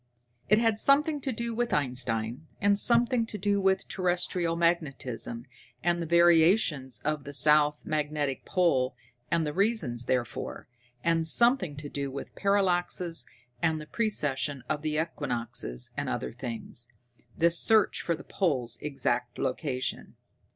It had something to do with Einstein, and something to do with terrestrial magnetism, and the variations of the south magnetic pole, and the reason therefore, and something to do with parallaxes and the precession of the equinoxes and other things, this search for the pole's exact location.